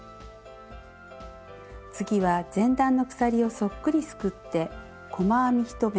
次は前段の鎖をそっくりすくって細編み１目。